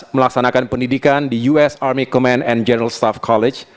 melaksanakan pendidikan di us army command and general staff college